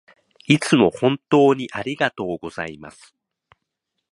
いつも本当にありがとうございます